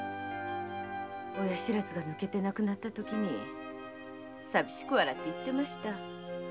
親不知が抜けてなくなったときに寂しく笑って言ってました。